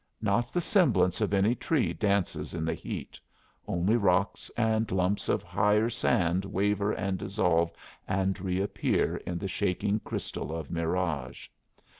Not the semblance of any tree dances in the heat; only rocks and lumps of higher sand waver and dissolve and reappear in the shaking crystal of mirage.